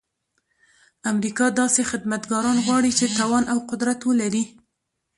امریکا داسې خدمتګاران غواړي چې توان او قدرت ولري.